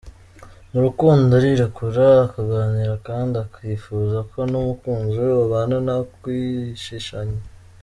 Mu rukundo arirekura akaganira kandi akifuza ko n’umukunzi we babana nta kwishishanya.